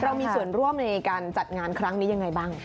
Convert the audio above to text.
เรามีส่วนร่วมในการจัดงานครั้งนี้ยังไงบ้าง